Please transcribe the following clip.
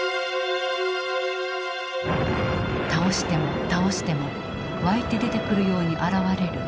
倒しても倒しても湧いて出てくるように現れるソ連兵。